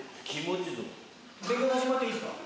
勉強さしてもらっていいですか。